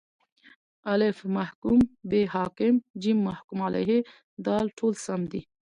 الف: محکوم به ب: حاکم ج: محکوم علیه د: ټوله سم دي